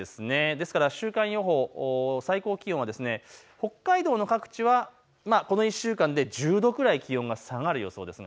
ですから週間予報最高気温は北海道の各地はこの１週間で１０度くらい気温が下がる予想です。